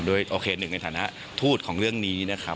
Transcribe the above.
โดยโอเคหนึ่งในฐานะทูตของเรื่องนี้นะครับ